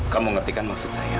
kamu ngertikan maksud saya